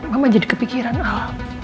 mama jadi kepikiran al